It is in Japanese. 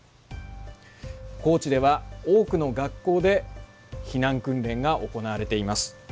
高知では多くの学校で避難訓練が行われています。